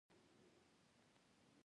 خولۍ د پښتنو خوښي ده.